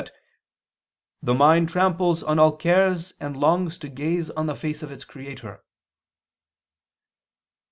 that "the mind tramples on all cares and longs to gaze on the face of its Creator."